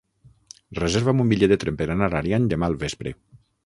Reserva'm un bitllet de tren per anar a Ariany demà al vespre.